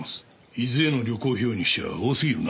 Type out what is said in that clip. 伊豆への旅行費用にしては多すぎるな。